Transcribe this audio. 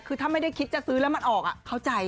คือถ้าไม่ได้คิดจะซื้อแล้วมันออกเข้าใจ